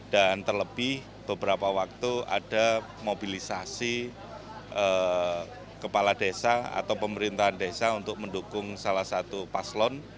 dan terlebih beberapa waktu ada mobilisasi kepala desa atau pemerintahan desa untuk mendukung salah satu paslon